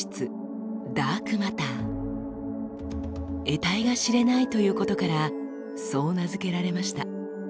えたいが知れないということからそう名付けられました。